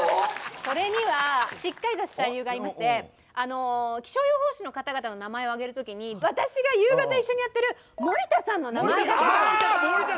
これにはしっかりとした理由がありまして気象予報士の方々の名前を挙げる時に私が夕方一緒にやってる森田さんの名前がなかった。